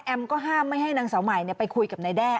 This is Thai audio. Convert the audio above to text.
ก็ห้ามไม่ให้นางสาวใหม่ไปคุยกับนายแด้